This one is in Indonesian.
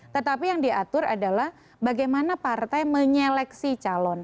tetapi yang diatur adalah bagaimana partai menyeleksi calon